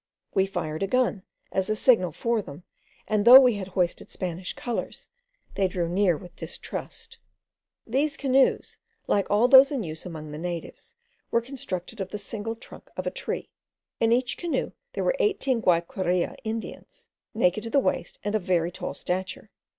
We fired a gun as a signal for them, and though we had hoisted Spanish colours, they drew near with distrust. These canoes, like all those in use among the natives, were constructed of the single trunk of a tree. In each canoe there were eighteen Guayqueria Indians, naked to the waist, and of very tall stature.